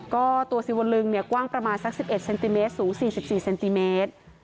ก็ตัวสิวลึงเนี่ยกว้างประมาณสักสิบเอ็ดเซนติเมตรสูงสี่สิบสี่เซนติเมตร